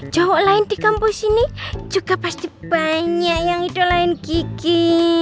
cowok lain di kampus ini juga pasti banyak yang itu lain gigi